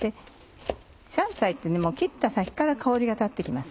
香菜ってもう切った先から香りが立って来ます。